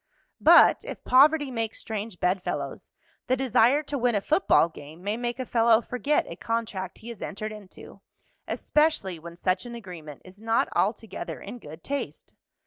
But if poverty makes strange bedfellows, the desire to win a football game may make a fellow forget a contract he has entered into, especially when such an agreement is not altogether in good taste.